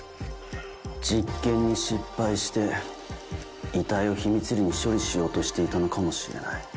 実験に失敗して遺体を秘密裏に処理しようとしていたのかもしれない。